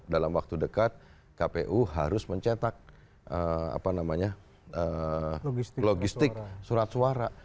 karena dalam waktu dekat kpu harus mencetak logistik surat suara